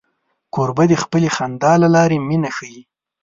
کوربه د خپلې خندا له لارې مینه ښيي.